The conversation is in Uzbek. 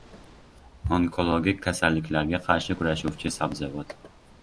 Onkologik kasalliklarga qarshi kurashuvchi sabzavot